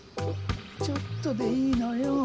ちょっとでいいのよ。